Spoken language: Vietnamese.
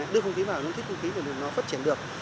đưa không khí vào nó thích không khí để nó phát triển được